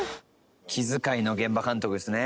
気遣いの現場監督ですね。